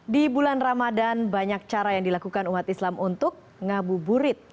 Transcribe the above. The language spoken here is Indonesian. di bulan ramadan banyak cara yang dilakukan umat islam untuk ngabuburit